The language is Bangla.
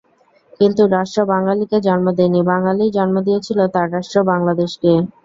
কিন্তু রাষ্ট্র বাঙালিকে জন্ম দেয়নি, বাঙালিই জন্ম দিয়েছিল তার রাষ্ট্র বাংলাদেশকে।